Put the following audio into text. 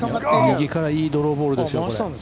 右からいいドローボールですよ。